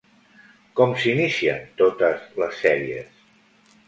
Com s'inicien totes les sèries?